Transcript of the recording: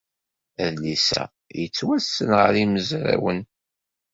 Adlis-a yettwassen ɣer yimezrawen.